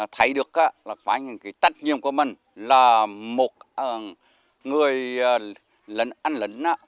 thấy được là phải những cái tất nhiên của mình là một người lấn ăn lấn